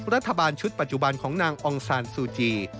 รัฐบาลชุดปัจจุบันของนางองซานซูจี